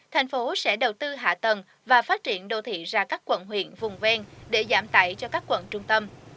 thành phố sẽ đầu tư hạ tầng và phát triển đô thị ra các quận huyện vùng ven để giảm tải cho các quận trung tâm